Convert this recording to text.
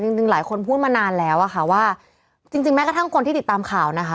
จริงจริงหลายคนพูดมานานแล้วอะค่ะว่าจริงจริงแม้กระทั่งคนที่ติดตามข่าวนะคะ